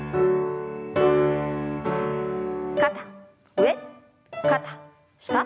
肩上肩下。